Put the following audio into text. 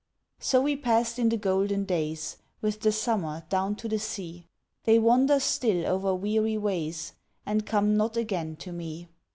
So we passed in the golden days With the summer down to the sea. They wander still over weary ways, And come not again to me.